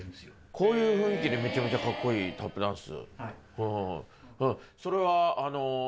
「こういう雰囲気でめちゃめちゃ格好いいタップダンス」？